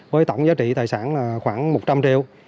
với tổng giá trị tài sản là khoảng một trăm linh triệu